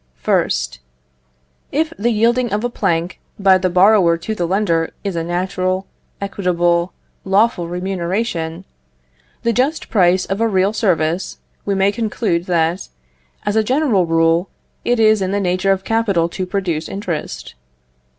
1st. If the yielding of a plank by the borrower to the lender is a natural, equitable, lawful remuneration, the just price of a real service, we may conclude that, as a general rule, it is in the nature of capital to produce interest.